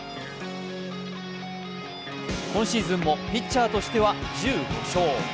今シーズンもピッチャーとしては１５勝。